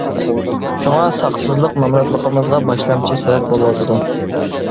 شۇڭا، ساقسىزلىق نامراتلىقىمىزغا باشلامچى سەۋەب بولۇۋاتىدۇ.